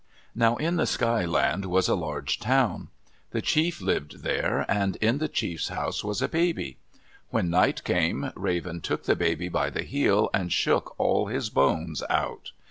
Now in the Sky Land was a large town. The chief lived there and in the chief's house was a baby. When night came, Raven took the baby by the heel and shook all his bones out.